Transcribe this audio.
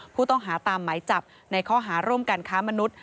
ผู้ต้องหาตามหมายจับในข้อหาร่วมกันค้ามนุษย